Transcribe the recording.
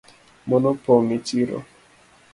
Mon opong’ e chiro